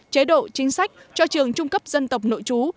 chế độ chính sách cho trường trung cấp dân tộc nội chú